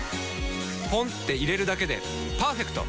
ポンって入れるだけでパーフェクト！